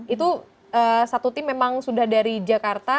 itu satu tim memang sudah dari jakarta